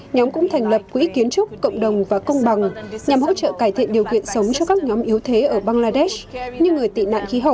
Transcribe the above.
nhóm cũng thành lập quỹ kiến trúc cộng đồng và công bằng nhằm hỗ trợ cải thiện điều kiện sống cho các nhóm yếu thế ở bangladesh như người tị nạn khí hậu